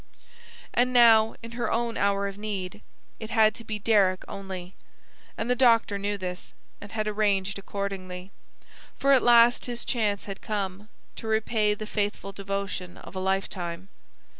And now, in her own hour of need, it had to be Deryck only; and the doctor knew this, and had arranged accordingly; for at last his chance had come, to repay the faithful devotion of a lifetime.